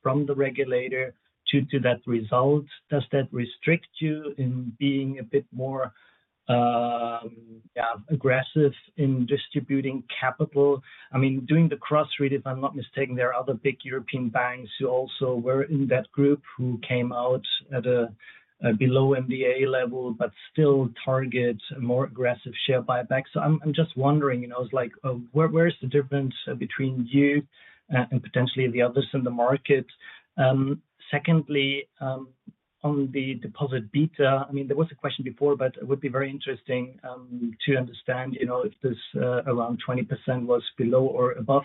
from the regulator to that result? Does that restrict you in being a bit more, yeah, aggressive in distributing capital? I mean, doing the cross read, if I'm not mistaken, there are other big European banks who also were in that group who came out at a below MDA level, but still target a more aggressive share buyback. I'm, I'm just wondering, you know, like, where, where is the difference between you, and potentially the others in the market? Secondly, on the deposit beta, I mean, there was a question before, but it would be very interesting, to understand, you know, if this, around 20% was below or above,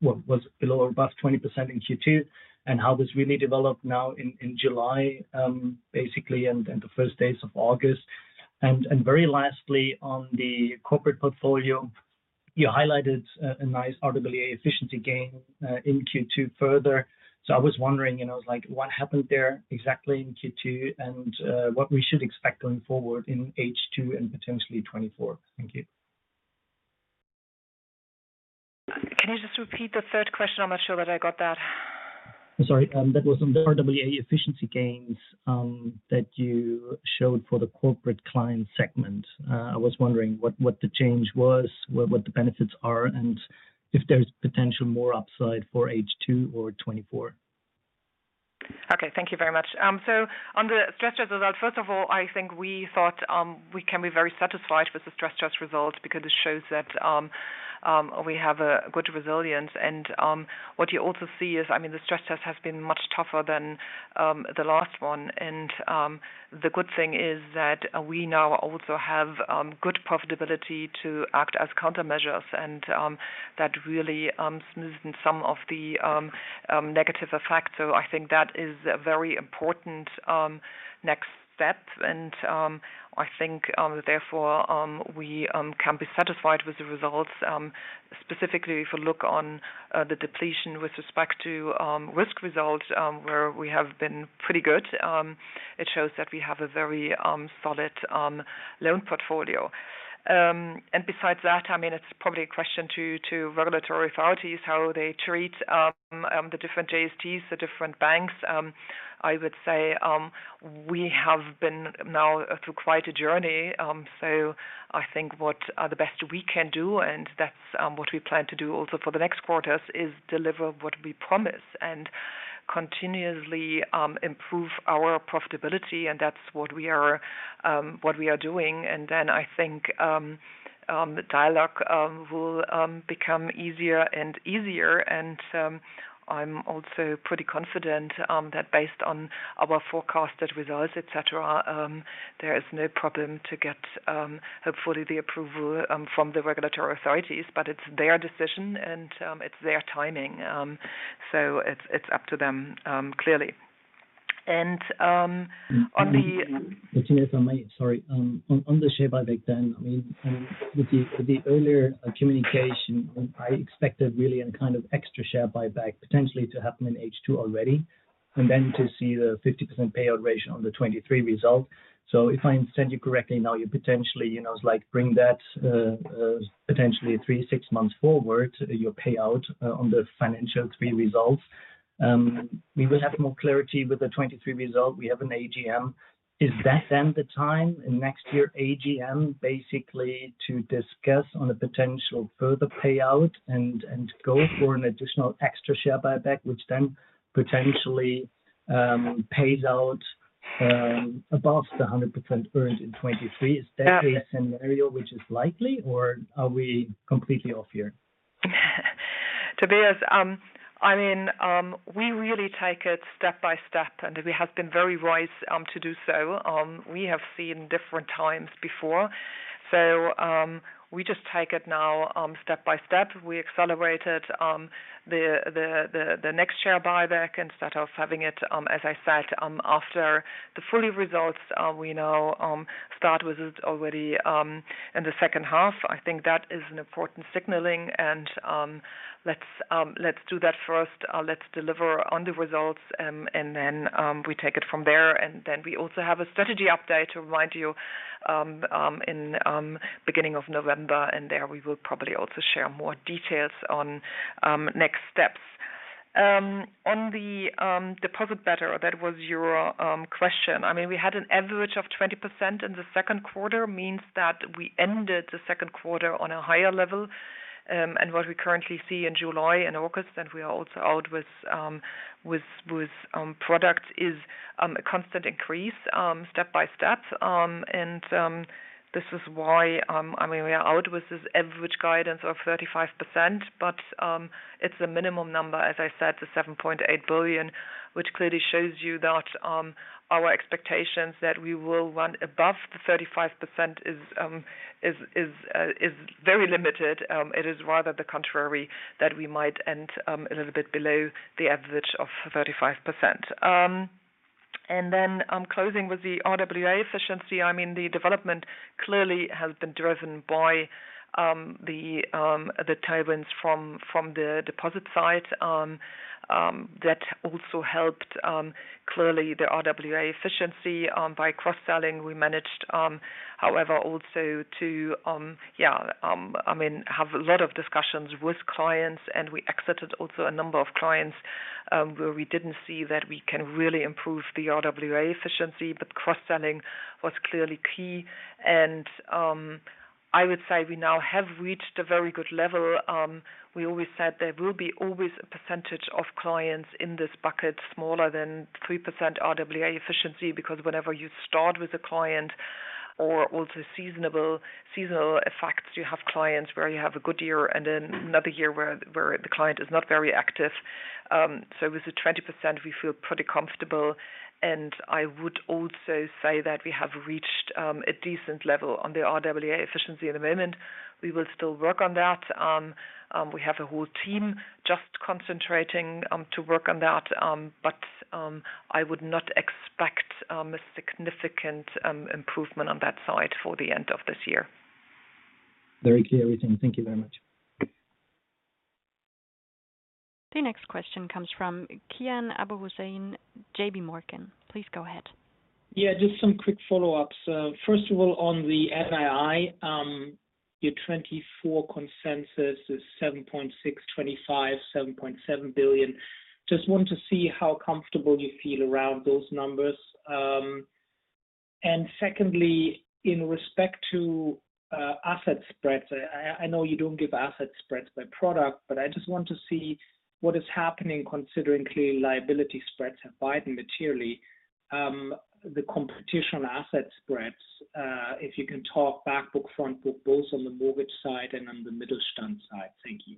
what was below or above 20% in Q2, and how this really developed now in, in July, basically, and the first days of August. Very lastly, on the corporate portfolio, you highlighted a, a nice RWA efficiency gain, in Q2 further. I was wondering, you know, like what happened there exactly in Q2 and what we should expect going forward in H2 and potentially 2024. Thank you. Can you just repeat the third question? I'm not sure that I got that. Sorry, that was on RWA efficiency gains, that you showed for the Corporate Clients segment. I was wondering what the change was, what the benefits are, and if there's potential more upside for H2 or 2024. Okay, thank you very much. On the stress test result, first of all, I think we thought, we can be very satisfied with the stress test results because it shows that we have a good resilience. What you also see is, I mean, the stress test has been much tougher than the last one. The good thing is that we now also have good profitability to act as countermeasures, and that really smoothen some of the negative effects. I think that is a very important next step. I think, therefore, we can be satisfied with the results. Specifically, if you look on the depletion with respect to risk results, where we have been pretty good, it shows that we have a very solid loan portfolio. Besides that, I mean, it's probably a question to regulatory authorities, how they treat the different JSTs, the different banks. I would say, we have been now through quite a journey. I think what the best we can do, and that's what we plan to do also for the next quarters, is deliver what we promise and continuously improve our profitability, and that's what we are what we are doing. Then I think the dialogue will become easier and easier. I'm also pretty confident, that based on our forecasted results, et cetera, there is no problem to get, hopefully, the approval, from the regulatory authorities, but it's their decision and it's their timing. It's up to them, clearly. On the. I might-- Sorry. On, on the share buyback then, I mean, with the earlier communication, I expected really a kind of extra share buyback, potentially to happen in H2 already, and then to see the 50% payout ratio on the 2023 results. If I understand you correctly, now, you potentially, you know, like, bring that potentially three, six months forward, your payout on the 2023 results. We will have more clarity with the 2023 result. We have an AGM. Is that then the time in next year, AGM, basically to discuss on a potential further payout and go for an additional extra share buyback, which then potentially pays out above the 100% earned in 2023? Is that a scenario which is likely, or are we completely off here? Tobias, I mean, we really take it step by step, and we have been very wise to do so. We have seen different times before, so we just take it now step by step. We accelerated the next share buyback instead of having it, as I said, after the fully results, we now start with it already in the second half. I think that is an important signaling, and let's do that first. Let's deliver on the results, and then we take it from there. Then we also have a strategy update to remind you in beginning of November, and there we will probably also share more details on next steps. On the deposit beta, that was your question. I mean, we had an average of 20% in the second quarter, means that we ended the second quarter on a higher level. What we currently see in July and August, and we are also out with products, is a constant increase, step by step. This is why, I mean, we are out with this average guidance of 35%, but it's a minimum number, as I said, the 7.8 billion, which clearly shows you that our expectations that we will run above the 35% is very limited. It is rather the contrary, that we might end a little bit below the average of 35%. I'm closing with the RWA efficiency. I mean, the development clearly has been driven by the tailwinds from the deposit side. That also helped clearly the RWA efficiency. By cross-selling, we managed, however, also to, yeah, I mean, have a lot of discussions with clients, and we exited also a number of clients, where we didn't see that we can really improve the RWA efficiency, but cross-selling was clearly key, and I would say we now have reached a very good level. We always said there will be always a percentage of clients in this bucket, smaller than 3% RWA efficiency, because whenever you start with a client or also seasonable, seasonal effects, you have clients where you have a good year and then another year where the client is not very active. With the 20%, we feel pretty comfortable, and I would also say that we have reached a decent level on the RWA efficiency at the moment. We will still work on that. We have a whole team just concentrating to work on that, but I would not expect a significant improvement on that side for the end of this year. Very clear, Bettina. Thank you very much. The next question comes from Kian Abouhossein, J.P. Morgan. Please go ahead. Yeah, just some quick follow-ups. First of all, on the NII, your 2024 consensus is 7.6 billion, 2025, 7.7 billion. Just want to see how comfortable you feel around those numbers. Secondly, in respect to asset spreads, I know you don't give asset spreads by product, but I just want to see what is happening, considering clearly liability spreads have widened materially, the competition on asset spreads. If you can talk back book, front book, both on the mortgage side and on the Mittelstand side. Thank you.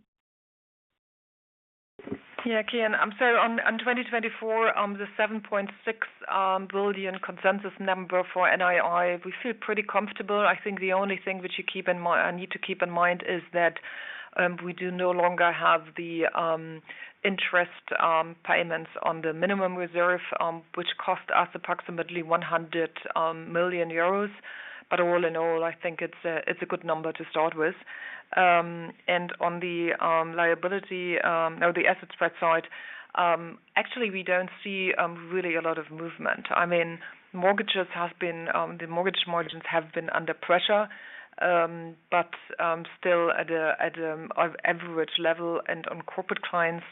Yeah, Kian, on 2024, on the 7.6 billion consensus number for NII, we feel pretty comfortable. I think the only thing which you keep in mind, need to keep in mind is that we do no longer have the interest payments on the minimum reserve, which cost us approximately 100 million euros. All in all, I think it's a good number to start with. On the liability or the asset spread side, actually, we don't see really a lot of movement. I mean, mortgages have been, the mortgage margins have been under pressure, still at an average level. On Corporate Clients,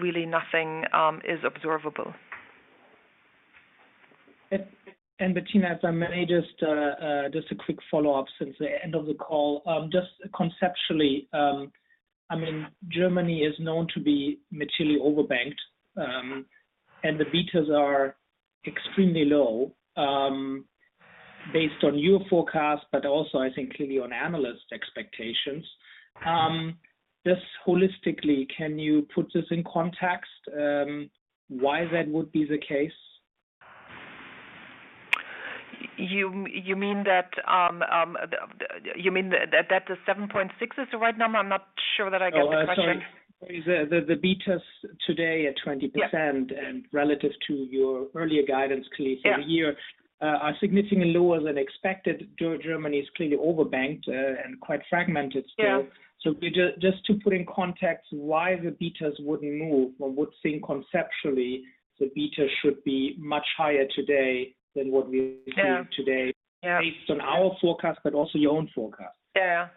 really nothing is observable. Bettina, if I may just, just a quick follow-up since the end of the call. Just conceptually, I mean, Germany is known to be materially overbanked, and the betas are extremely low. Based on your forecast, but also I think clearly on analyst expectations, just holistically, can you put this in context, why that would be the case? You, you mean that, you mean that, that the 7.6 billion is the right number? I'm not sure that I get the question. Oh, sorry. The, the betas today are 20%. Yeah. relative to your earlier guidance clearly for the year. Yeah Are significantly lower than expected. Germany is clearly overbanked, and quite fragmented still. Yeah. Just to put in context, why the betas wouldn't move. One would think conceptually, the beta should be much higher today than what we see today. Yeah. based on our forecast, but also your own forecast. Yeah.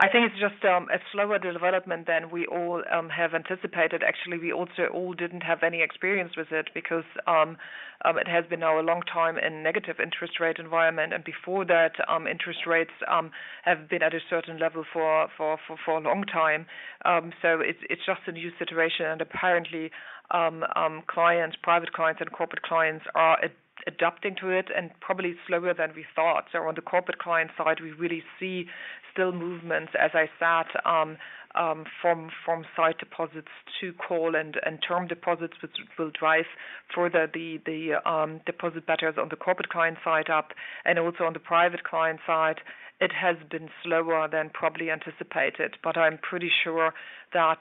I think it's just a slower development than we all have anticipated. Actually, we also all didn't have any experience with it because it has been now a long time in negative interest rate environment, and before that, interest rates have been at a certain level for a long time. It's just a new situation, and apparently, clients, private clients and Corporate Clients are adapting to it and probably slower than we thought. On the Corporate Client side, we really see still movements, as I said, from sight deposits to call and term deposits, which will drive further the deposit beta on the Corporate Client side up. Also on the private client side, it has been slower than probably anticipated, but I'm pretty sure that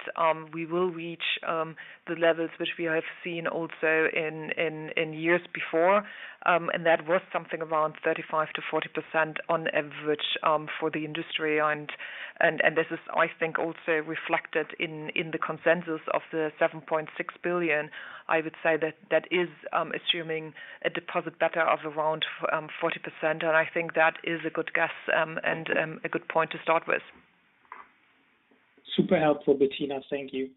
we will reach the levels which we have seen also in years before. That was something around 35%-40% on average for the industry. This is, I think, also reflected in the consensus of the 7.6 billion. I would say that that is assuming a deposit beta of around 40%, and I think that is a good guess and a good point to start with. Super helpful, Bettina. Thank you.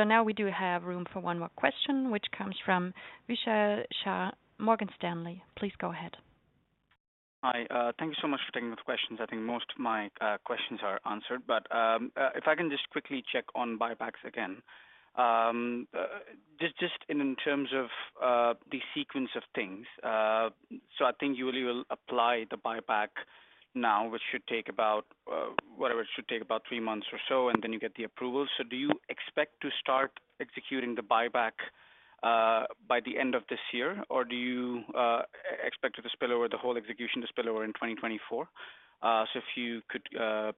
Now we do have room for one more question, which comes from Vishal Shah, Morgan Stanley. Please go ahead. Hi, thank you so much for taking the questions. I think most of my questions are answered, but if I can just quickly check on buybacks again. Just, just in terms of the sequence of things, I think you will apply the buyback now, which should take about whatever, it should take about three months or so, and then you get the approval. Do you expect to start executing the buyback by the end of this year, or do you expect it to spill over the whole execution to spill over in 2024? If you could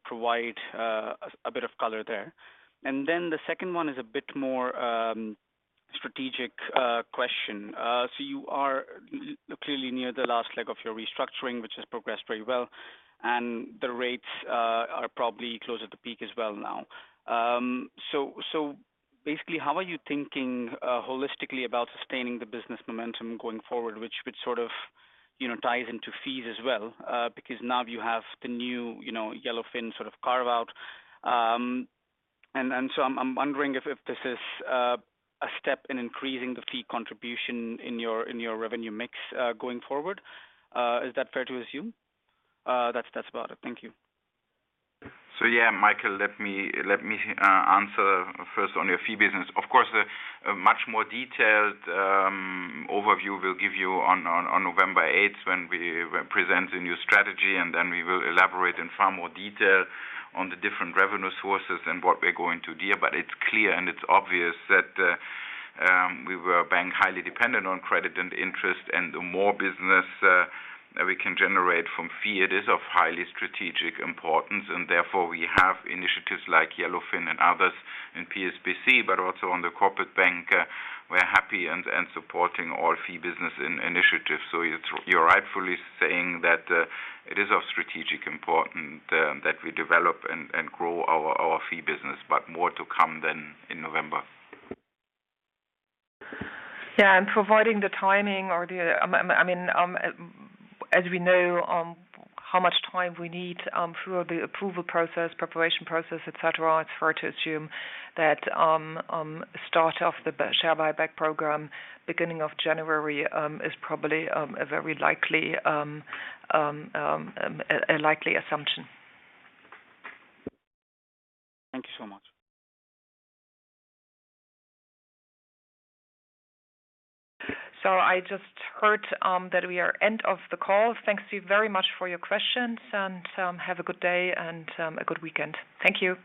provide a bit of color there. Then the second one is a bit more strategic question. You are clearly near the last leg of your restructuring, which has progressed very well, and the rates are probably close at the peak as well now. How are you thinking holistically about sustaining the business momentum going forward, which, which sort of, you know, ties into fees as well? Because now you have the new, you know, Yellowfin sort of carve out. I'm wondering if, if this is a step in increasing the fee contribution in your, in your revenue mix going forward. Is that fair to assume? That's, that's about it. Thank you. Yeah, Michael, let me, let me answer first on your fee business. Of course, a much more detailed overview we'll give you on November 8, when we present a new strategy, and then we will elaborate in far more detail on the different revenue sources and what we're going to deal. It's clear, and it's obvious that we were a bank highly dependent on credit and interest, and the more business we can generate from fee, it is of highly strategic importance, and therefore we have initiatives like Yellowfin and others in PSBC, but also on the corporate bank, we're happy and supporting all fee business in initiatives. You're, you're rightfully saying that it is of strategic important that we develop and grow our fee business, but more to come then in November. Yeah, and providing the timing or the. I mean, as we know, how much time we need through the approval process, preparation process, et cetera, it's fair to assume that start of the share buyback program, beginning of January, is probably a very likely a likely assumption. Thank you so much. I just heard that we are end of the call. Thanks to you very much for your questions and have a good day and a good weekend. Thank you.